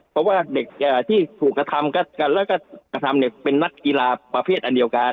เพราะว่าเด็กที่ถูกกระทำกันแล้วก็กระทำเป็นนักกีฬาประเภทอันเดียวกัน